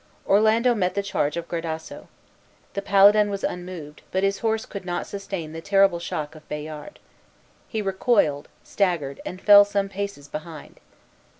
Orlando met the charge of Gradasso. The paladin was unmoved, but his horse could not sustain the terrible shock of Bayard. He recoiled, staggered, and fell some paces behind.